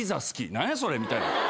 何やそれみたいな。